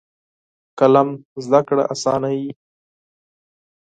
قلم زده کړه اسانوي.